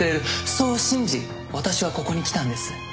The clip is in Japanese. そう信じ私はここに来たんです。